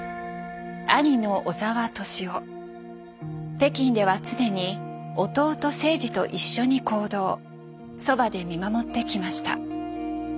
北京では常に弟征爾と一緒に行動そばで見守ってきました。